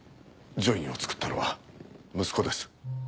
『ジョイン』を作ったのは息子です。